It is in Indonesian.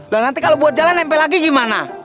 nah nanti kalau buat jalan nempel lagi gimana